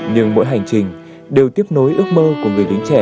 nhưng mỗi hành trình đều tiếp nối ước mơ của người lính trẻ